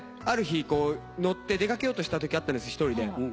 ある日乗って出掛けようとしたときあったんです一人で。